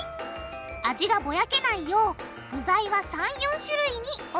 味がぼやけないよう具材は３４種類におさめる！